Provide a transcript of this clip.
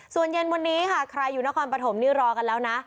ส่วนเย็นวันนี้ค่ะใครอยู่นครปฐมนี่รอกันแล้วนะ